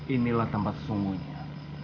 inilah tempat sunggunya